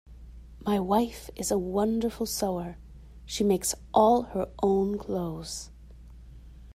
My wife is a wonderful sewer: she makes all her own clothes.